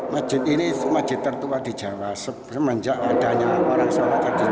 masjid ini masjid tertua di jawa semenjak adanya orang solo tadi